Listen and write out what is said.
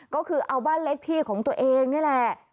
ก็คือเอาบ้านเล็กที่ของตัวเองนี่แหละ